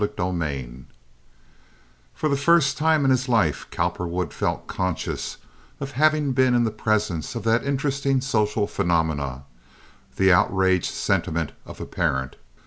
Chapter XXVII For the first time in his life Cowperwood felt conscious of having been in the presence of that interesting social phenomenon—the outraged sentiment of a parent.